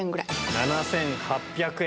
７８００円。